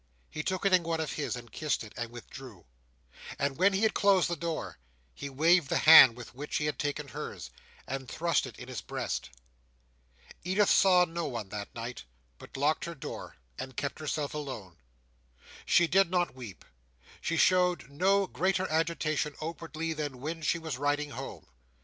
He took it in one of his, and kissed it, and withdrew. And when he had closed the door, he waved the hand with which he had taken hers, and thrust it in his breast. Edith saw no one that night, but locked her door, and kept herself alone. She did not weep; she showed no greater agitation, outwardly, than when she was riding home.